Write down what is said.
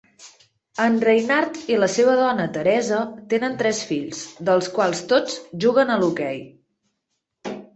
En Reinart i la seva dona Theresa tenen tres fills, dels quals tots juguen a l"hoquei.